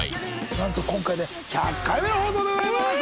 なんと今回で１００回目の放送でございます！